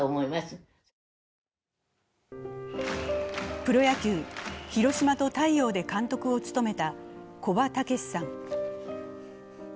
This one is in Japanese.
プロ野球、広島と大洋で監督を務めた古葉竹識さん。